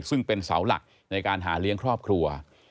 ซึ่งเป็นเสาหลักในการหาเลี้ยงครอบครัว